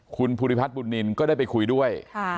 คุณภูริพัฒนบุญนินก็ได้ไปคุยด้วย